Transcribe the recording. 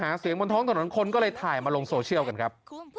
เสียงบนท้องถนนคนก็เลยถ่ายมาลงโซเชียลกันครับ